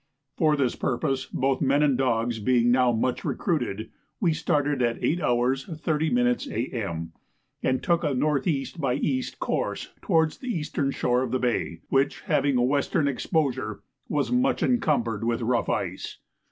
For this purpose, both men and dogs being now much recruited, we started at 8h. 30m. A.M. and took a N.E. by E. course towards the eastern shore of the bay, which, having a western exposure, was much encumbered with rough ice.